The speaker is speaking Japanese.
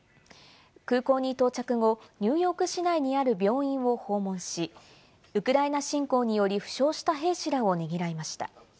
空港に到着後、ニューヨーク市内にある病院を訪問し、ウクライナ侵攻により負傷した兵士らをねぎらいました。